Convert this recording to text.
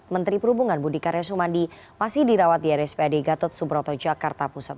menteri perhubungan budi karya sumandi masih dirawat di rspad gatot subroto jakarta pusat